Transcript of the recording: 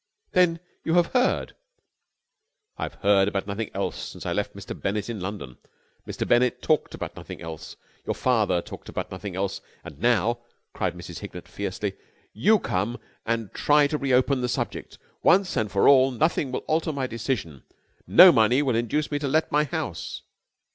"Then you have heard!" "I have heard about nothing else since I met Mr. Bennett in London. Mr. Bennett talked about nothing else. Your father talked about nothing else. And now," cried Mrs. Hignett fiercely, "you come and try to reopen the subject. Once and for all nothing will alter my decision. No money will induce me to let my house."